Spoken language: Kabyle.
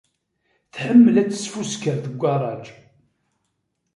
Tḥemmel ad tesfusker deg ugaṛaj.